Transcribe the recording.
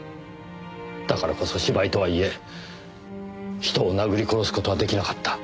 だからこそ芝居とはいえ人を殴り殺す事は出来なかった。